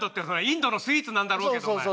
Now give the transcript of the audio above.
インドのスイーツなんだろうけどお前。